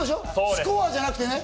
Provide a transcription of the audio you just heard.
スコアじゃなくてね。